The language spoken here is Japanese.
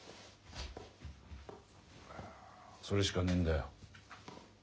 それしかねえんだよ